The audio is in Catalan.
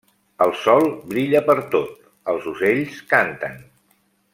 El sol brilla pertot, els ocells canten.